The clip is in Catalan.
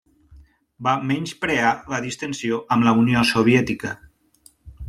Va menysprear la distensió amb la Unió Soviètica.